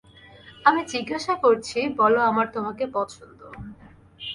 আমি জিজ্ঞাসা করছি, বলো আমার তোমাকে পছন্দ।